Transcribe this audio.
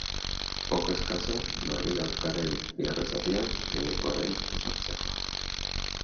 Joko eskasa norgehiagokaren bigarren zatian, lehenengoaren oso antzekoa.